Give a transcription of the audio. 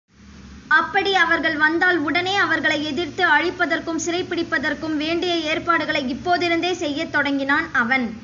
அப்படி அவர்கள் வந்தால் உடனே அவர்களை எதிர்த்து அழிப்பதற்கும் சிறைப்பிடிப்பதற்கும் வேண்டிய ஏற்பாடுகளை இப்போதிருந்தே செய்யத் தொடங்கினான் அவன்.